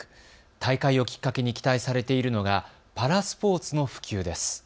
大会をきっかけに期待されているのがパラスポーツの普及です。